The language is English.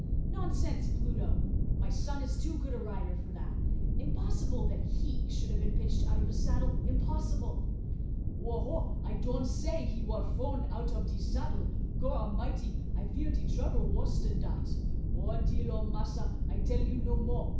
Nonsense, Pluto! My son is too good a rider for that. Impossible that he should have been pitched out of the saddle impossible!" "Ho! ho! I doan say he war frown out ob de saddle. Gorramity! I fear de trouble wuss dan dat. O! dear ole Massa, I tell you no mo'.